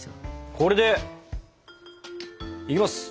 これでいきます！